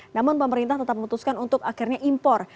namun pemerintah tetap memutuskan untuk akhirnya impor